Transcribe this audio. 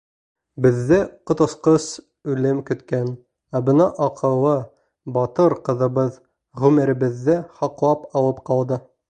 Беҙҙе ҡот осҡос үлем көткән, ә бына аҡыллы, батыр ҡыҙыбыҙ ғүмеребеҙҙе һаҡлап алып ҡалды!